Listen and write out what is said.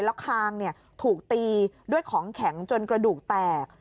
แล้วคางถูกตีด้วยของแข็งจนกระดูกแตก